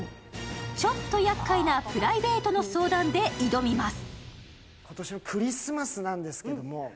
ちょっと厄介なプライベートの相談で挑みます。